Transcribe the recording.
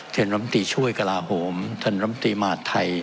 ท่านรัมตีช่วยกระลาฮมท่านรัมตีมาทไทย